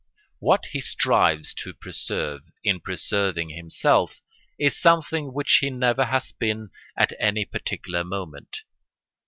What he strives to preserve, in preserving himself, is something which he never has been at any particular moment.